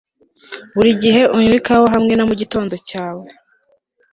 Buri gihe unywa ikawa hamwe na mugitondo cyawe